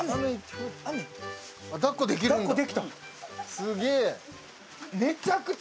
すげえ！